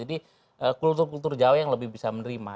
jadi kultur kultur jawa yang lebih bisa menerima